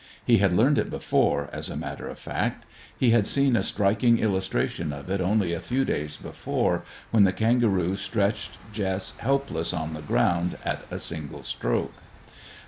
He had learned it before, as a matter of fact; he had seen a striking illustration of it only a few days before, when the kangaroo stretched Jess helpless on the ground at a single stroke.